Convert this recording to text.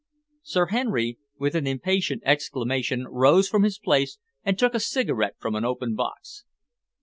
Sir Henry, with an impatient exclamation, rose from his place and took a cigarette from an open box.